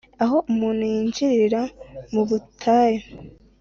aho umuntu yinjirira mu butayu